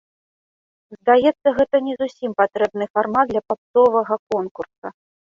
Здаецца, гэта не зусім патрэбны фармат для папсовага конкурса.